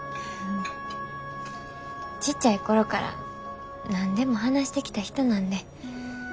ちっちゃい頃から何でも話してきた人なんで。